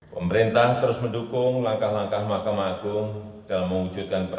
pemerintah terus mendukung langkah langkah mahkamah agung dalam mewujudkan peradilan yang bersih